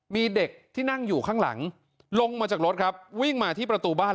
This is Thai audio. มีเด็กที่นั่งอยู่ข้างหลังลงมาจากรถครับวิ่งมาที่ประตูบ้าน